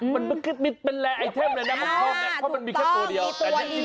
มันเป็นแรร์ไอเทมเลยนะเพราะมันมีแค่ตัวเดียว